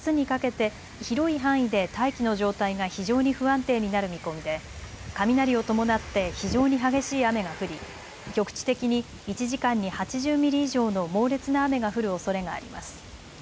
西日本から北日本の日本海側を中心にあすにかけて広い範囲で大気の状態が非常に不安定になる見込みで雷を伴って非常に激しい雨が降り局地的に１時間に８０ミリ以上の猛烈な雨が降るおそれがあります。